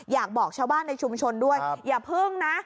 อยากบอกชาวบ้านในชุมชนด้วยอย่าพึ่งนะ